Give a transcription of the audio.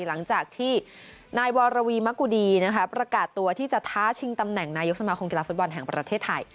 หลังจากที่นายวรวีมะกุดีประกาศตัวที่จะท้าชิงตำแหน่งนายกสมาคมกีฬาฟุตบอลแห่งประเทศไทย